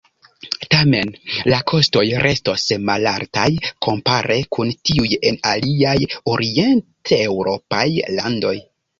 Tamen la kostoj restos malaltaj kompare kun tiuj en aliaj orienteŭropaj landoj.